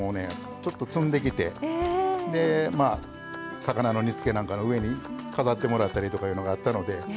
ちょっと摘んできてまあ魚の煮つけなんかの上に飾ってもらったりとかいうのがあったので。